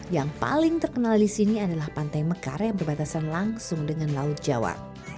yang paling terkenal di sini adalah pantai mekar yang berbatasan langsung dengan laut jawa